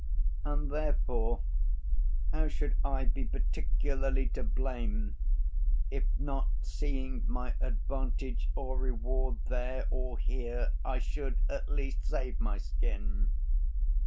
And, therefore, how should I be particularly to blame if not seeing my advantage or reward there or here, I should, at least, save my skin.